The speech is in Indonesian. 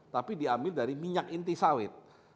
tapi diambil dari minyak inti sawit